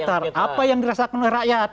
apa yang dirasakan oleh rakyat